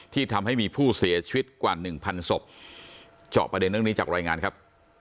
ทำให้มีผู้เสียชีวิตกว่าหนึ่งพันศพเจาะประเด็นเรื่องนี้จากรายงานครับ